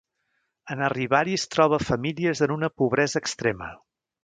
En arribar-hi es troba famílies en una pobresa extrema.